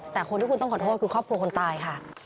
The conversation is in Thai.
แต่คนที่คุณต้องขอโทษคือครอบครัวคนตายค่ะ